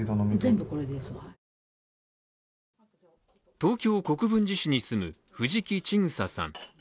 東京・国分寺市に住む藤木千草さん。